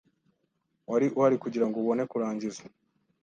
Wari uhari kugirango ubone kurangiza?